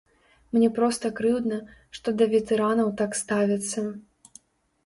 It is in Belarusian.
Мне проста крыўдна, што да ветэранаў так ставяцца.